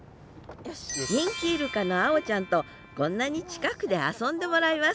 人気イルカの碧ちゃんとこんなに近くで遊んでもらいます